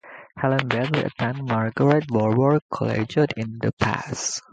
Helen Betty attended Margaret Barbour Collegiate in The Pas.